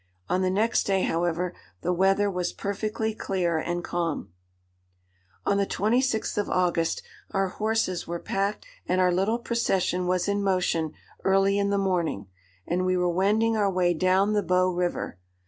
On the next day, however, the weather was perfectly clear and calm. On the 26th of August our horses were packed and our little procession was in motion early in the morning, and we were wending our way down the Bow River.